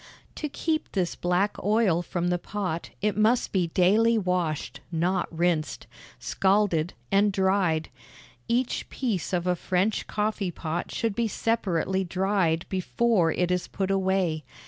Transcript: To keep this black oil from the pot it must be daily washed (not rinsed), scalded, and dried. Each piece of a French coffee pot should be separately dried before it is put away.